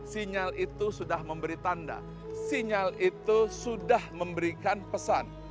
sinyal itu sudah memberi tanda sinyal itu sudah memberikan pesan